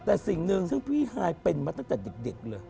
แต่สิ่งหนึ่งซึ่งพี่ฮายเป็นมาตั้งแต่เด็กเลย